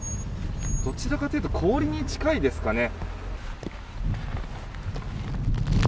どちらかというと氷に近いですかね。